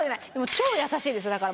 超優しいですよだから。